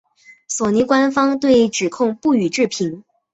索尼官方对指控不予置评。